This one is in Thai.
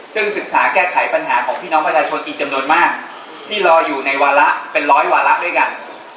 ซึ่งศึกษาแก้ไขปัญหาของพี่น้องประชาชนอีกจำนวนมากที่รออยู่ในวาระเป็นร้อยวาระด้วยกัน